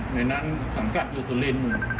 ในนั้นสังกัดอยู่สุรินทร์